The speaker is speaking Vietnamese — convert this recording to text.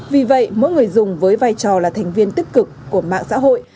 vì vậy mỗi người dùng với vai trò là thành viên tích cực của mạng xã hội